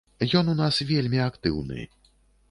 Ён у нас вельмі актыўны.